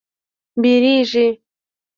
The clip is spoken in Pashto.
بیږیږې